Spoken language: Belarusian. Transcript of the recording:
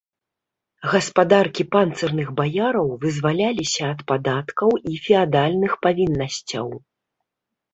Гаспадаркі панцырных баяраў вызваляліся ад падаткаў і феадальных павіннасцяў.